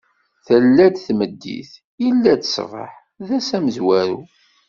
Tella-d tmeddit, illa-d ṣṣbeḥ: d ass amezwaru.